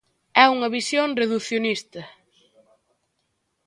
É unha visión reducionista.